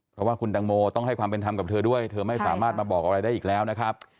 เพราะว่าคุณตังโมต้องให้ความเป็นธรรมกับเธอด้วยเธอไม่สามารถมาบอกอะไรได้อีกแล้วนะครับ